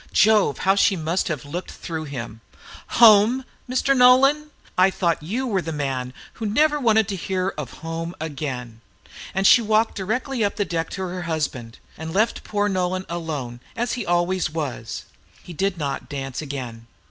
Jove! how she must have looked through him! "Home!! Mr. Nolan!!! I thought you were the man who never wanted to hear of home again!" and she walked directly up the deck to her husband, and left poor Nolan alone, as he always was. He did not dance again.